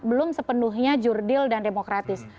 belum sepenuhnya jurdil dan demokratis